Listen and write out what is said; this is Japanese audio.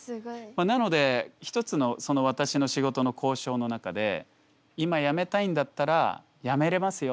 なので一つの私の仕事の交渉の中で今やめたいんだったらやめれますよ